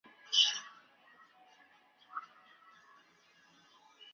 其先史时代可分为土器出现以前的后期旧石器时代和土器出现之后的贝冢时代。